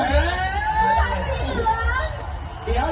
เสียหุ่น